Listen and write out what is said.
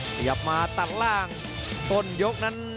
ขยับมาตัดล่างต้นยกนั้น